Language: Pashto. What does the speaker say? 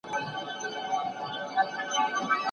دا انار په نړیوالو بازارونو کې په لوړه بیه پلورل کیږي.